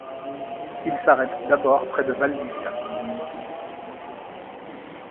Il s'arrête d'abord près de Valdivia.